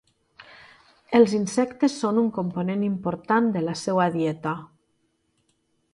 Els insectes són un component important de la seva dieta.